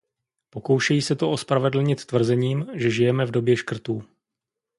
Pokoušejí se to ospravedlnit tvrzením, že žijeme v době škrtů.